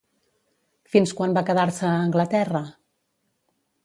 Fins quan va quedar-se a Anglaterra?